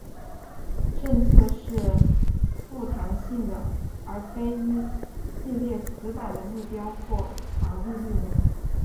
政策是富弹性的而非一系列死板的目标或法律例文。